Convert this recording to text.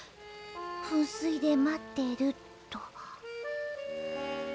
「噴水で待ってる」っと。